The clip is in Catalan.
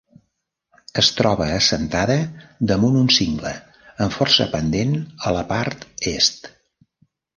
Es troba assentada damunt un cingle amb força pendent a la part Est.